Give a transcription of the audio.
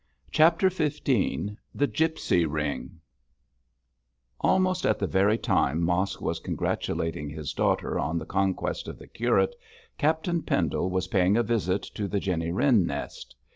CHAPTER XV THE GIPSY RING Almost at the very time Mosk was congratulating his daughter on the conquest of the curate, Captain Pendle was paying a visit to the Jenny Wren nest.